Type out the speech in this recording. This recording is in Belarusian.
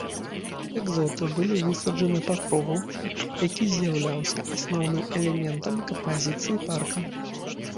Экзоты былі высаджаны па кругу, які з'яўляўся асноўным элементам кампазіцыі парка.